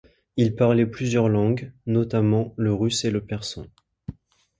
Il parlait plusieurs langues, notamment, le russe et le persan.